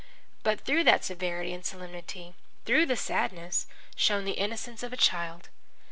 But through that severity and solemnity, through the sadness, shone the innocence of a child.